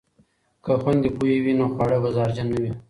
که خویندې پوهې وي نو خواړه به زهرجن نه وي.